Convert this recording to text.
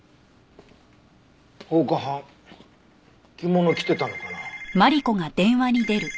放火犯着物着てたのかな？